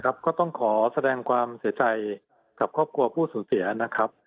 ก็ต้องขอแสดงความเสียใจกับครอบครัวผู้สูญเสียนะครับ